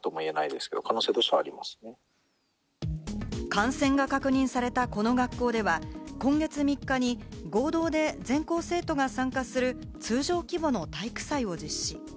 感染が確認されたこの学校では今月３日に合同で全校生徒が参加する通常の規模の体育祭を実施。